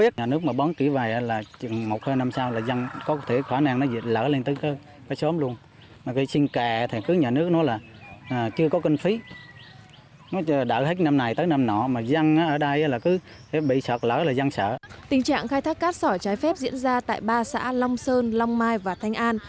tình trạng khai thác cát sỏi trái phép diễn ra tại ba xã long sơn long mai và thanh an